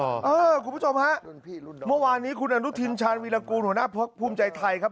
คุณผู้ชมฮะเมื่อวานนี้คุณอนุทินชาญวีรกูลหัวหน้าพักภูมิใจไทยครับ